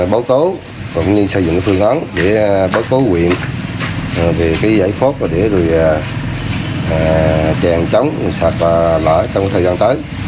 báo tố cũng như xây dựng phương án để báo tố huyện về cái giải phóng để rồi chèn trống sạt lở trong thời gian tới